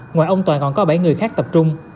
ngoài ông toàn còn có bảy người khác tập trung